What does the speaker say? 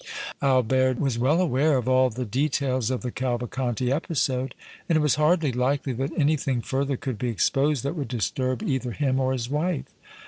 Albert was well aware of all the details of the Cavalcanti episode, and it was hardly likely that anything further could be exposed that would disturb either him or his wife.